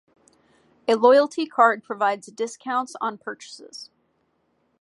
A loyalty card provides discounts on purchases.